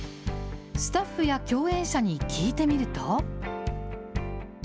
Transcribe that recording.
スタッフや共演者に聞いてみると。